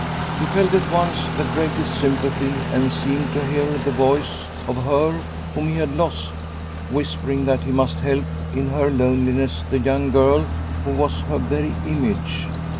He felt at once the greatest sympathy and seemed to hear the voice of her whom he had lost whispering that he must help in her loneliness the young girl who was her very image.